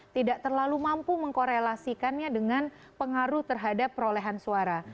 tidak terlalu mampu mengkorelasikannya dengan pengaruh terhadap perolehan suara